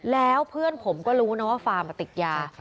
แล้วเพื่อนผมก็รู้นะว่าฟาร์มติดยา